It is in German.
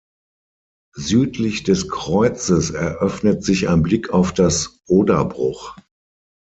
Südlich des Kreuzes eröffnet sich ein Blick auf das Oderbruch.